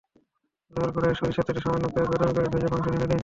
লোহার কড়াইয়ে সরিষার তেলে সামান্য পেঁয়াজ বাদামি করে ভেজে মাংস ঢেলে দিন।